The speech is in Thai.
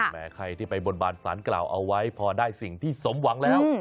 แม้ใครที่ไปบนบานสารกล่าวเอาไว้พอได้สิ่งที่สมหวังแล้ว